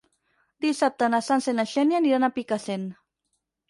Dissabte na Sança i na Xènia aniran a Picassent.